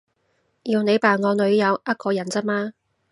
要你扮我女友呃個人咋嘛